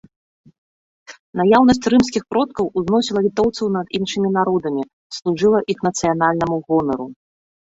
Наяўнасць рымскіх продкаў узносіла літоўцаў над іншымі народамі, служыла іх нацыянальнаму гонару.